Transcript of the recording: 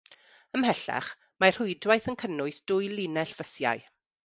Ymhellach, mae'r rhwydwaith yn cynnwys dwy linell fysiau,